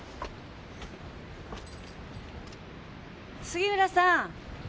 杉浦さん。